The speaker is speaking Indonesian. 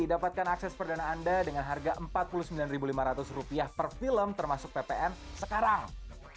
dapatkan akses perdana anda dengan harga rp empat puluh sembilan lima ratus per film termasuk ppn sekarang